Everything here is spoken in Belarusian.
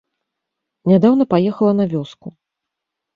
Нядаўна паехала на вёску.